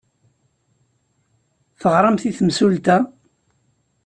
Teɣramt i temsulta?